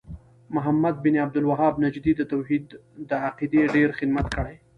محمد بن عبد الوهاب نجدي د توحيد د عقيدې ډير خدمت کړی